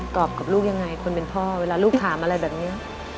รอบกับลูกยังไงคนเป็นพ่อเวลาลูกถามอะไรแบบนี้